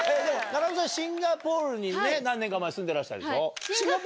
中野さん、シンガポールにね、何年か前、住んでらしたでしょ。